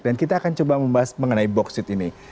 dan kita akan coba membahas mengenai boksit ini